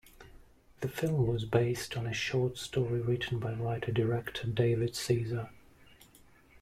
The film was based on a short story written by writer-director David Caesar.